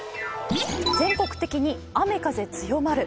全国的に雨風、強まる。